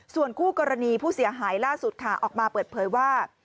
ส่วนคู่กรณีผู้เสียหายล่าสุดค่ะออกมาเปิดเผยว่า